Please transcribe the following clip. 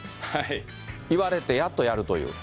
いわれてやっとやるという。